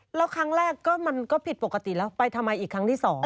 แล้วครั้งแรกก็มันก็ผิดปกติแล้วไปทำไมอีกครั้งที่๒